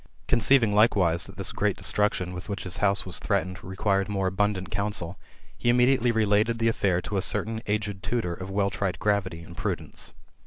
Conceiving likewise that this great destruction with which his house was threatened required more abundant counsel, he immediately related the affair to a certain aged tutor of well tried gravity and prudence.